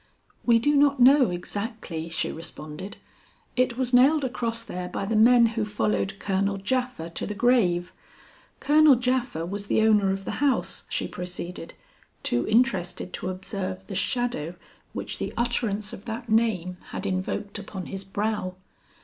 "We do not know exactly," she responded. "It was nailed across there by the men who followed Colonel Japha to the grave. Colonel Japha was the owner of the house," she proceeded, too interested to observe the shadow which the utterance of that name had invoked upon his brow.